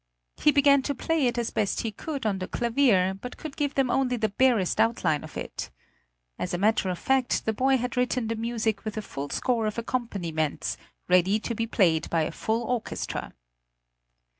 He began to play it as best he could on the clavier, but could give them only the barest outline of it. As a matter of fact the boy had written the music with a full score of accompaniments, ready to be played by a full orchestra.